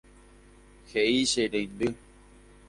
He'i che reindy